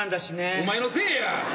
お前のせいや。